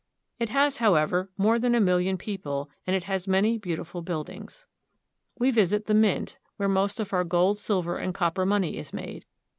It has, however, more than a million people, and it has many beautiful buildings. We visit the mint, where most of our gold, silver, and copper money is made.